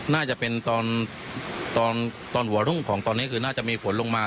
น่าจะเป็นตอนตอนหัวรุ่งของตอนนี้คือน่าจะมีฝนลงมา